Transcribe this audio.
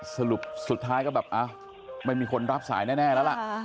สรุปสุดท้ายก็แบบไม่มีคนรับสายแน่แล้วล่ะ